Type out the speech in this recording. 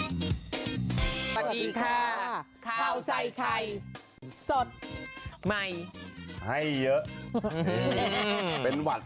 สวัสดีค่ะข้าวใส่ไข่สดใหม่ให้เยอะเป็นหวัด